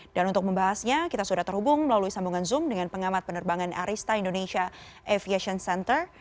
dan untuk membahasnya kita sudah terhubung melalui sambungan zoom dengan pengamat penerbangan arista indonesia aviation center